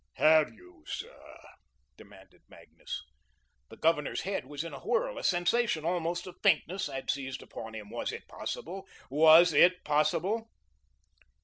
"Have you, sir?" demanded Magnus. The Governor's head was in a whirl; a sensation, almost of faintness, had seized upon him. Was it possible? Was it possible?